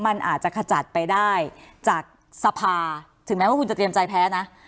มันอาจจะขจัดไปได้จากสภาถึงแม้ว่าคุณจะเตรียมใจแพ้นะ